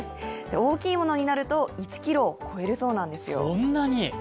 大きいものになると１ｋｇを超えるそうなんですよ。